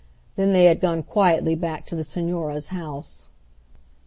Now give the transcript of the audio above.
Then they had gone quietly back to the Señora's house.